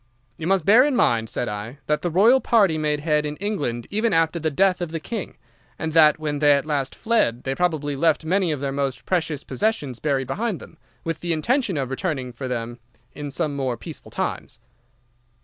"'You must bear in mind,' said I, 'that the Royal party made head in England even after the death of the King, and that when they at last fled they probably left many of their most precious possessions buried behind them, with the intention of returning for them in more peaceful times.